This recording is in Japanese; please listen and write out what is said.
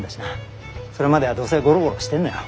それまではどうせゴロゴロしてんのよ。